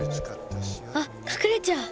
あっかくれちゃう。